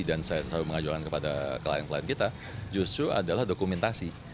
dan saya selalu mengajukan kepada klien klien kita justru adalah dokumentasi